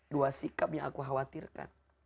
dua sikap yang aku khawatirkan